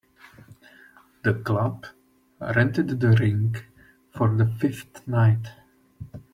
The club rented the rink for the fifth night.